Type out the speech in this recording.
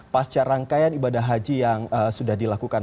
pasca rangkaian ibadah haji yang sudah dilakukan